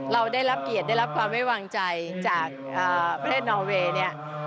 เราได้รับเกียรติได้รับความไว้วางใจจากประเทศนอเวย์เนี่ย